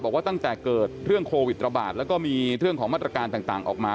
บอกว่าตั้งแต่เกิดเรื่องโควิดระบาดแล้วก็มีเรื่องของมาตรการต่างออกมา